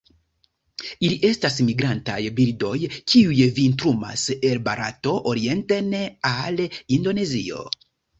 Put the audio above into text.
Ili estas migrantaj birdoj, kiuj vintrumas el Barato orienten al Indonezio.